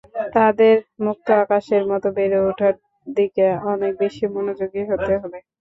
তাদের মুক্ত আকাশের মতো বেড়ে ওঠার দিকে অনেক বেশি মনোযোগী হতে হবে।